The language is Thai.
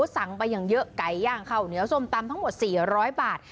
สั่งไปอย่างเยอะไก่ย่างข้าวเหนียวส้มตำทั้งหมด๔๐๐บาท